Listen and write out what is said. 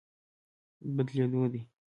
بدلېدو دی.